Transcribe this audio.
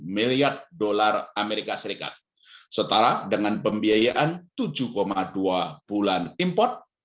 miliar dollar amerika serikat setara dengan pembiayaan tujuh dua bulan import